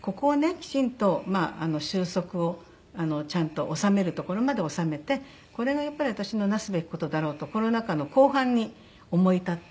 きちんと収束をちゃんと収めるところまで収めてこれがやっぱり私のなすべき事だろうとコロナ禍の後半に思い立って。